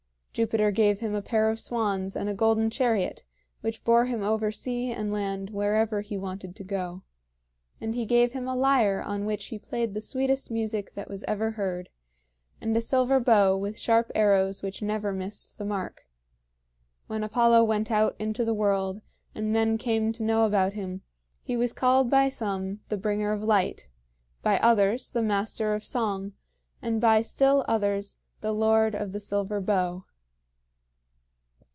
Jupiter gave him a pair of swans and a golden chariot, which bore him over sea and land wherever he wanted to go; and he gave him a lyre on which he played the sweetest music that was ever heard, and a silver bow with sharp arrows which never missed the mark. When Apollo went out into the world, and men came to know about him, he was called by some the Bringer of Light, by others the Master of Song, and by still others the Lord of the Silver Bow.